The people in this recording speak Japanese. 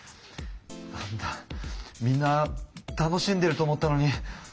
なんだみんな楽しんでると思ったのに。